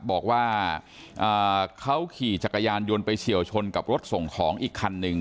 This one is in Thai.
บอกว่าเขาขี่จักรยานยนต์ไปเฉียวชนกับรถส่งของอีกคันหนึ่ง